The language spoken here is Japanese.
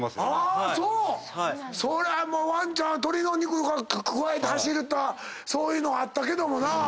もうワンちゃんは鶏の肉くわえて走るとかそういうのあったけどもなぁ。